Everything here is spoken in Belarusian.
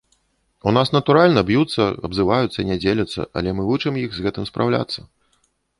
У нас, натуральна, б'юцца, абзываюцца, не дзеляцца, але мы вучым іх з гэтым спраўляцца.